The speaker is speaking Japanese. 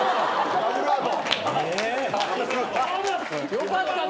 よかったな！